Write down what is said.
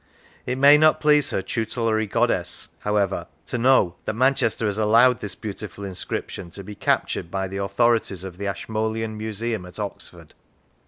It may not please her tutelary goddess, however, to know that Manchester has allowed this beautiful inscription to be captured by the authorities of the Ashmolean Museum at Oxford.